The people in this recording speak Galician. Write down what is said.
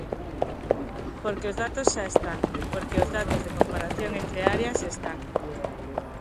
Porque os datos xa están, porque os datos de comparación entre áreas están.